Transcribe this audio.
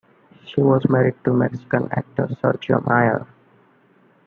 She was married to Mexican actor Sergio Mayer.